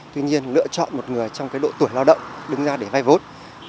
tuy nhiên lựa chọn một người trong độ tuổi lao động đứng ra để vay vốn